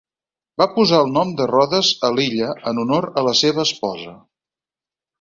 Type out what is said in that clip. Va posar el nom de Rodes a l'illa, en honor a la seva esposa.